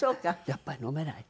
やっぱり飲めない。